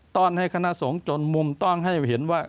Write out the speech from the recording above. ้อนให้คณะสงฆ์จนมุมต้อนให้เห็นว่า